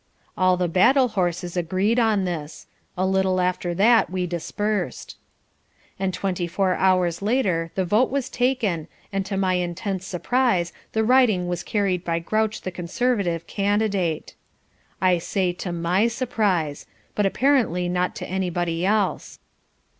All the battle horses agreed on this. A little after that we dispersed. And twenty four hours later the vote was taken and to my intense surprise the riding was carried by Grouch the Conservative candidate. I say, to MY surprise. But apparently not to anybody else.